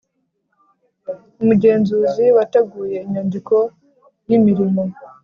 Umugenzuzi wateguye inyandiko y imirimo